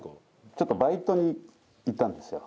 ちょっとバイトに行ったんですよ